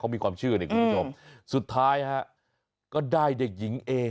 เขามีความชื่ออันนี้คุณผู้ชมอืมสุดท้ายฮะก็ได้เด็กหญิงเอ